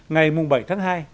ngày bảy tháng hai